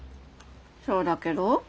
そうだけど。